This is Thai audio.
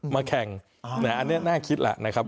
มาแข่งอันนี้น่าคิดแหละนะครับ